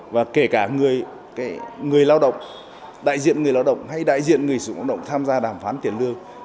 và kể cả người lao động đại diện người lao động hay đại diện người sử dụng lao động tham gia đàm phán tiền lương